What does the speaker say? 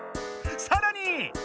さらに。